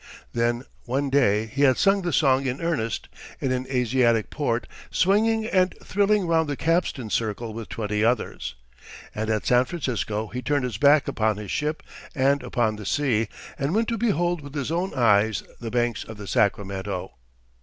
Then one day he had sung the song in earnest, in an Asiatic port, swinging and thrilling round the capstan circle with twenty others. And at San Francisco he turned his back upon his ship and upon the sea, and went to behold with his own eyes the banks of the Sacramento.